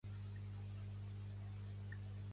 Gàrgares que esdevenen vocables desconeguts i saborosos.